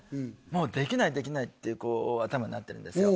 もうできないできないっていう頭になってるんですよ